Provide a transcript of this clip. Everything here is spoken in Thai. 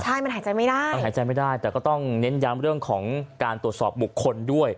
ใช่มันหายใจไม่ได้มันหายใจไม่ได้แต่ก็ต้องเน้นย้ำเรื่องของการตรวจสอบบุคคลด้วย